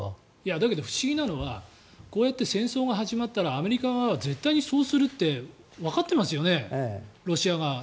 不思議なのはこうやって戦争が始まったらアメリカは絶対にそうするってわかってますよね、ロシア側は。